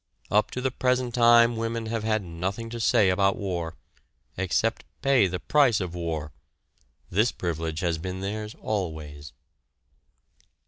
Up to the present time women have had nothing to say about war, except pay the price of war this privilege has been theirs always.